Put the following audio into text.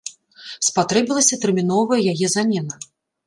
Спатрэбілася тэрміновая яе замена.